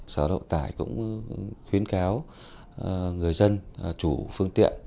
sở động tải cũng khuyến cáo người dân chủ phương tiện